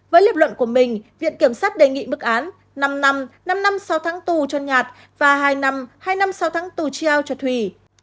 với liệp luận của mình viện kiểm soát đề nghị bức án năm năm năm năm sau tháng tù cho nhạt và hai năm hai năm sau tháng tù triêu cho thủy